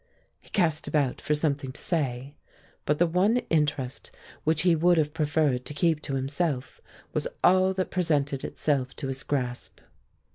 He cast about for something to say, but the one interest which he would have preferred to keep to himself was all that presented itself to his grasp.